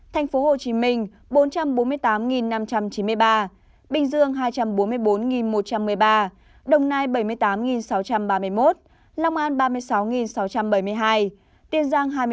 thành phố hồ chí minh bốn trăm bốn mươi tám năm trăm chín mươi ba bình dương hai trăm bốn mươi bốn một trăm một mươi ba đồng nai bảy mươi tám sáu trăm ba mươi một long an ba mươi sáu sáu trăm bảy mươi hai tiền giang hai mươi một hai trăm tám mươi